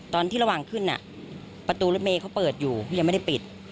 ตอนที่ระหว่างขึ้นอ่ะประตูรถเมย์เขาเปิดอยู่ยังไม่ได้ปิด